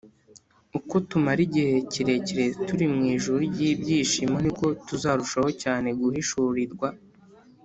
uko tumara igihe kirekire turi mu ijuru ry’ibyishimo, ni ko tuzarushaho cyane guhishurirwa